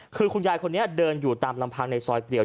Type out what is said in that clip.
คือคุณยายคนนี้เดินอยู่ตามลำพังในซอยเปรียว